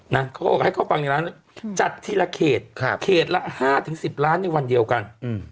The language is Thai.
เขาก็บอกให้เขาฟังในร้านจัดทีละเขตเขตละ๕๑๐ล้านในวันเดียวกัน